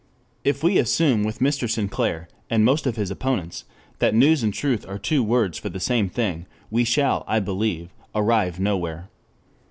If we assume with Mr. Sinclair, and most of his opponents, that news and truth are two words for the same thing, we shall, I believe, arrive nowhere.